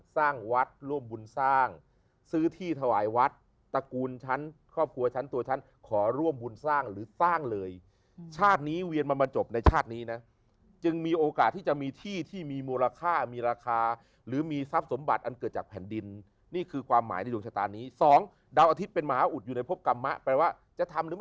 สร้างวัดร่วมบุญสร้างซื้อที่ถวายวัดตระกูลฉันครอบครัวฉันตัวฉันขอร่วมบุญสร้างหรือสร้างเลยชาตินี้เวียนมันมาจบในชาตินี้นะจึงมีโอกาสที่จะมีที่ที่มีมูลค่ามีราคาหรือมีทรัพย์สมบัติอันเกิดจากแผ่นดินนี่คือความหมายในดวงชะตานี้สองดาวอาทิตย์เป็นมหาอุดอยู่ในพบกรรมะแปลว่าจะทำหรือไม่